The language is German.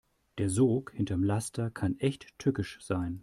Der Sog hinterm Laster kann echt tückisch sein.